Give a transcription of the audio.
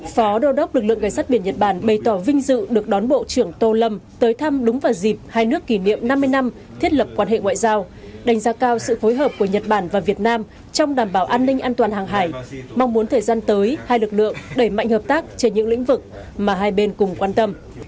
phó đô đốc lực lượng cảnh sát biển nhật bản bày tỏ vinh dự được đón bộ trưởng tô lâm tới thăm đúng vào dịp hai nước kỷ niệm năm mươi năm thiết lập quan hệ ngoại giao đánh giá cao sự phối hợp của nhật bản và việt nam trong đảm bảo an ninh an toàn hàng hải mong muốn thời gian tới hai lực lượng đẩy mạnh hợp tác trên những lĩnh vực mà hai bên cùng quan tâm